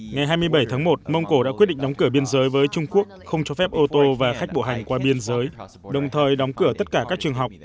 ngày hai mươi bảy tháng một mông cổ đã quyết định đóng cửa biên giới với trung quốc không cho phép ô tô và khách bộ hành qua biên giới đồng thời đóng cửa tất cả các trường học